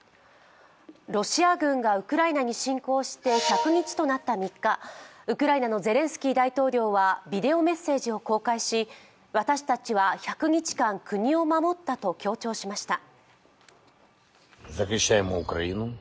ロシア軍がウクライナに侵攻して１００日となった３日ウクライナのゼレンスキー大統領はビデオメッセージを公開し私たちは１００日間、国を守ったと強調しました。